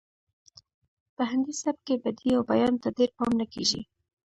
په هندي سبک کې بدیع او بیان ته ډیر پام نه کیږي